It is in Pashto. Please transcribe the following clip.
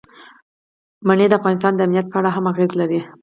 منی د افغانستان د امنیت په اړه هم اغېز لري.